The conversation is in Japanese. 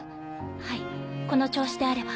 はいこの調子であれば。